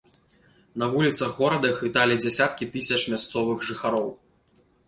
На вуліцах горада іх віталі дзясяткі тысяч мясцовых жыхароў.